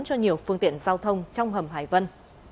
cho nhiều phương tiện giao thông trong hầm hải vân